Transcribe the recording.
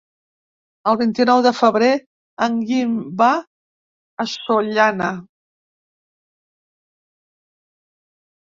El vint-i-nou de febrer en Guim va a Sollana.